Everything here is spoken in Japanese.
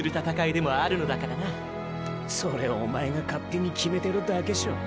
それおまえが勝手に決めてるだけショ。